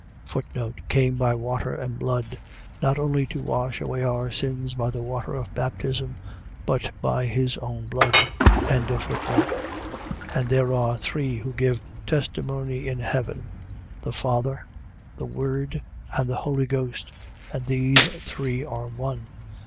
Came by water and blood. . .Not only to wash away our sins by the water of baptism, but by his own blood. 5:7. And there are Three who give testimony in heaven, the Father, the Word, and the Holy Ghost. And these three are one.